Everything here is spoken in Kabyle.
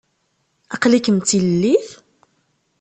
Aql-ikem d tilellit?